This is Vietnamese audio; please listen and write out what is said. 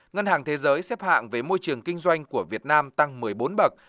ngân hàng thế giới xếp hạng về môi trường kinh doanh của việt nam tăng một mươi bốn bậc